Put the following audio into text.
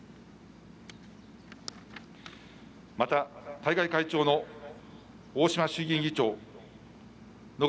また、大会会長の大島衆議院議長野上